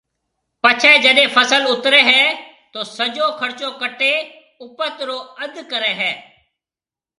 پڇيَ جڏَي فصل اُترَي ھيََََ تو سجو خرچو ڪٽَي اُپت رو اڌ ڪريَ ھيََََ